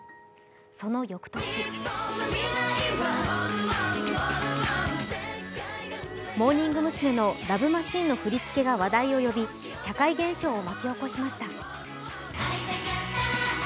その翌年モーニング娘の「ＬＯＶＥマシーン」の振り付けが話題を呼び社会現象を巻き起こしました。